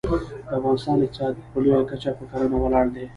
د افغانستان اقتصاد په لویه کچه په کرنه ولاړ دی